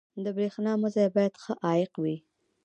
• د برېښنا مزي باید ښه عایق ولري.